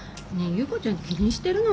優子ちゃん気にしてるの？